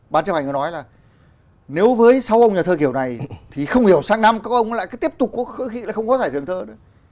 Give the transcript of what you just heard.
bán chấp hành nó nói là nếu với sáu ông nhà thơ kiểu này thì không hiểu sang năm các ông lại tiếp tục khởi khí là không có giải thưởng thơ nữa